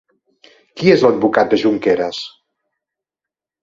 Qui és l'advocat de Junqueras?